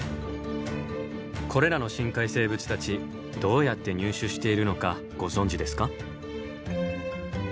これらの深海生物たちどうやって入手しているのかご存じですか？